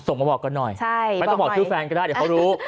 มาบอกกันหน่อยไม่ต้องบอกชื่อแฟนก็ได้เดี๋ยวเขารู้